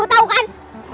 kamu tau kan